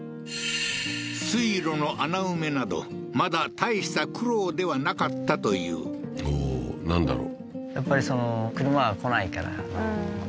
水路の穴埋めなどまだ大した苦労ではなかったというおおーなんだろう？